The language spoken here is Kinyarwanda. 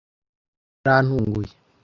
Imvura yarantunguye.